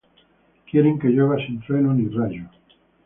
Quieren que llueva sin trueno ni rayo.